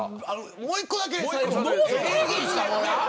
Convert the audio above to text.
もう１個だけ。